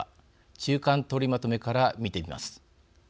中間取りまとめから見てみます。